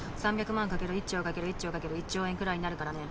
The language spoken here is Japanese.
３００万掛ける１兆掛ける１兆掛ける１兆円くらいになるからね。